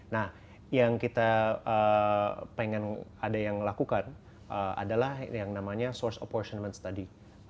nah yang kita pengen ada yang lakukan adalah yang namanya source apportionment study